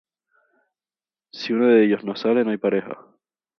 Si uno de ellos no sale no hay pareja.